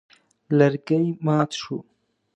لرګی مات شو.